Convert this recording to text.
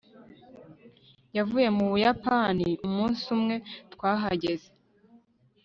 yavuye mu buyapani umunsi umwe twahageze